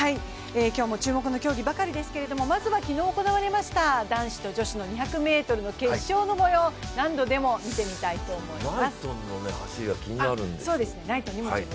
今日も注目の競技ばかりですがまずは昨日行われました男子と女子の２００ｍの決勝の模様、何度でも見てみたいと思います。